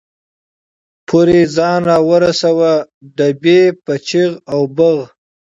پورې ځان را ورساوه، ډبې په چغ او بغ.